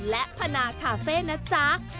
และพนาคาเฟ่นะจ๊ะ